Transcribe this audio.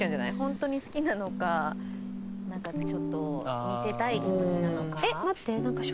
ホントに好きなのかなんかちょっと見せたい気持ちなのか。